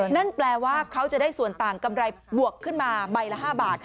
นั่นแปลว่าเขาจะได้ส่วนต่างกำไรบวกขึ้นมาใบละ๕บาท